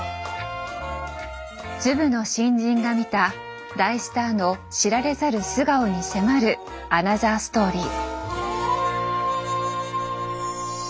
ズブの新人が見た大スターの知られざる素顔に迫るアナザーストーリー。